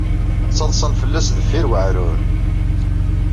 Ttaḍsan fell-as deffir weɛrur.